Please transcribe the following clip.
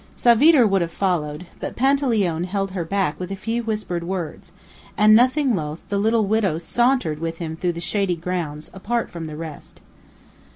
Savitre would have followed, but Panteleone held her back with a few whispered words, and, nothing loth, the little widow sauntered with him through the shady grounds, apart from the rest.